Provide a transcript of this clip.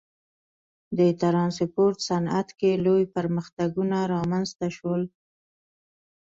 د ټرانسپورت صنعت کې لوی پرمختګونه رامنځته شول.